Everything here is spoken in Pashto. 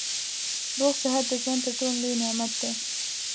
روغ صحت د ژوند تر ټولو لوی نعمت دی